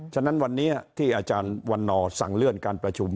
ฉะนั้นวันนี้ที่อาจารย์วันนอร์สั่งเลื่อนการประชุม